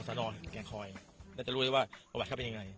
จะรู้เลยว่าประวัตะเขาเป็นยังไง